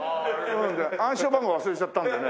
暗証番号を忘れちゃったんでね。